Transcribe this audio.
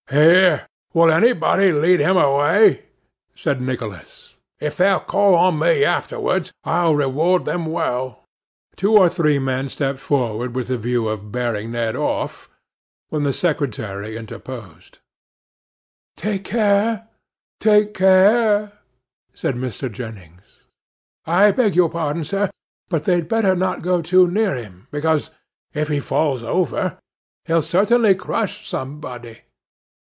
'Here! will anybody lead him away?' said Nicholas: 'if they'll call on me afterwards, I'll reward them well.' Two or three men stepped forward, with the view of bearing Ned off, when the secretary interposed. [Picture: Ned Twigger in the kitchen of Mudfog Hall] 'Take care! take care!' said Mr. Jennings. 'I beg your pardon, sir; but they'd better not go too near him, because, if he falls over, he'll certainly crush somebody.